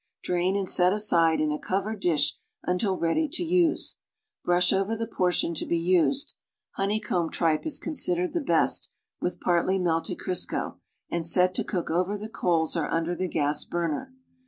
Drain and set aside in a covered dish until ready to use. Brush over the portion to be used (honeycombed tripe is considered the best) with partly melted Crisco, and set to cook over the coals or under the gas burner.